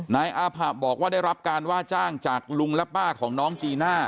นายอาผะบอกว่าได้รับการว่าจ้างจากลุงและป้าของน้องจีน่า